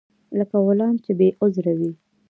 لکه غلام چې بې عذره وي.